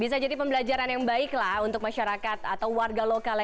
bisa jadi pembelajaran yang baik lah untuk masyarakat atau warga kita gitu ya